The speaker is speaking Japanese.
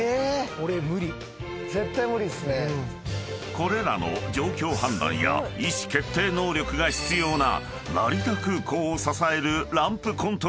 ［これらの状況判断や意思決定能力が必要な成田空港を支える］